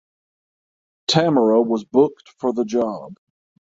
Tamara was booked for the job.